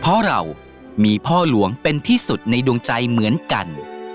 เพราะเรามีพ่อหลวงเป็นที่สุดในดวงใจเหมือนกัน